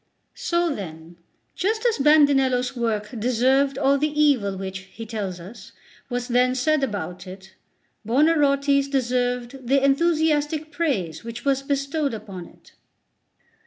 So then, just as Bandinello's work deserved all the evil which, he tells us, was then said about it, Buonarroti's deserved the enthusiastic praise which was bestowed upon it."